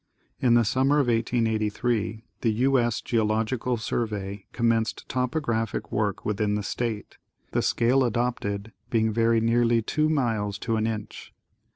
In the summer of 1883 the U. S. Geological Survey commenced topographic work within the State, the scale adopted being very nearly 2 miles to an inch.